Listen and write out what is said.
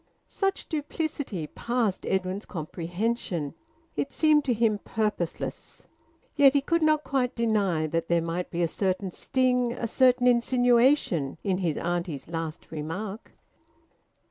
Such duplicity passed Edwin's comprehension; it seemed to him purposeless. Yet he could not quite deny that there might be a certain sting, a certain insinuation, in his auntie's last remark.